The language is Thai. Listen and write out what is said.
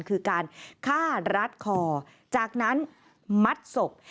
คือการฆ่ารัดคอจากนั้นมัดศพ